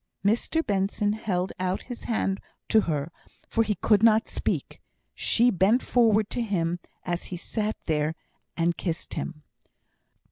Mr Benson held out his hand to her, for he could not speak. She bent forward to him as he sat there, and kissed him.